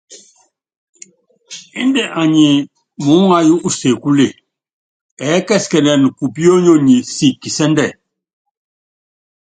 Índɛ anyi muúŋayú usekúle, ɛɛ́kɛsikɛnɛn kupionyonyi siki kisɛ́ndɛ.